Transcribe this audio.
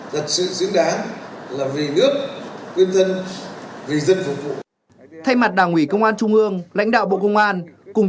giật sự dưỡng đáng